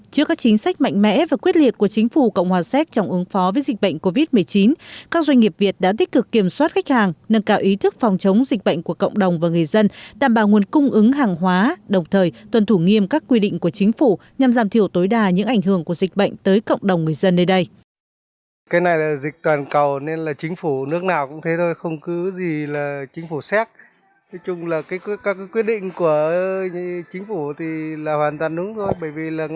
trước các chính sách mạnh mẽ và quyết liệt của chính phủ cộng hòa séc trong ứng phó với dịch bệnh covid một mươi chín các doanh nghiệp việt đã tích cực kiểm soát khách hàng nâng cao ý thức phòng chống dịch bệnh của cộng đồng và người dân đảm bảo nguồn cung ứng hàng hóa đồng thời tuân thủ nghiêm các quy định của chính phủ nhằm giảm thiểu tối đa những ảnh hưởng của dịch bệnh tới cộng đồng người dân nơi đây